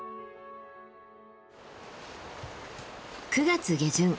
９月下旬